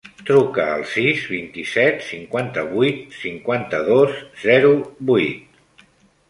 Truca al sis, vint-i-set, cinquanta-vuit, cinquanta-dos, zero, vuit.